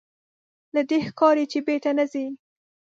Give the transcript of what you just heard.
له دې ښکاري چې بېرته نه ځې.